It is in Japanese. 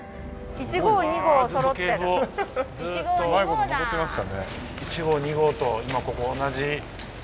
１号２号と今ここ同じ。